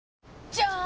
じゃーん！